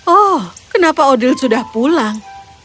oh kenapa odil sudah pulang